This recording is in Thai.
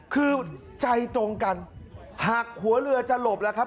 คือใจตรงกันหักหัวเรือจะหลบแล้วครับ